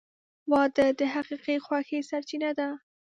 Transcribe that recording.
• واده د حقیقي خوښۍ سرچینه ده.